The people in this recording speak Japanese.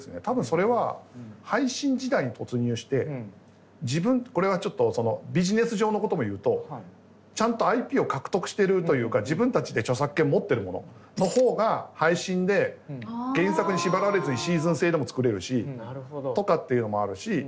多分それは配信時代に突入して自分これはちょっとビジネス上のことも言うとちゃんとＩＰを獲得しているというか自分たちで著作権を持ってるものの方が配信で原作に縛られずにシーズン制でも作れるしとかっていうのもあるし。